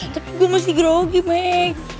tapi gue masih grogi me